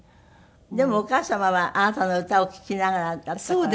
でもお母様はあなたの歌を聴きながらだったからね。